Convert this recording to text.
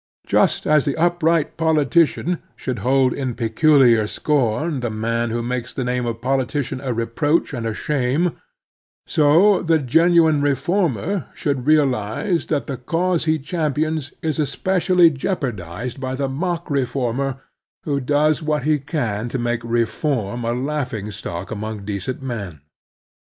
Just as the upright politician should hold in peculiar scom the man who makes the name of politician a reproach and a shame, so the genuine reformer should realize that the caxise he champions is especially jeopardized by the mock reformer who does what he can to make reform a laughing stock among decent men.